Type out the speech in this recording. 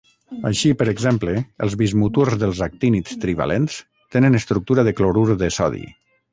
Així, per exemple, els bismuturs dels actínids trivalents tenen estructura de clorur de sodi.